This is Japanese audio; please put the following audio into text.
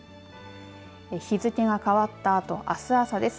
日付が変わったあとあす朝です。